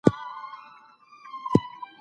نړیوال عدالت د بې انصافۍ مخه نیسي.